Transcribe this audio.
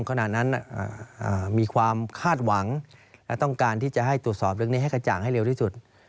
ขณะนั้นมีความคาดหวังและต้องการที่จะให้ตรวจสอบเรื่องนี้ให้กระจ่างให้เร็วที่สุด